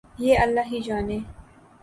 یہ اللہ ہی جانے۔